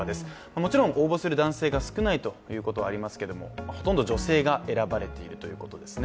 もちろん応募する男性が少ないということはありますけれどもほとんど女性が選ばれているということですね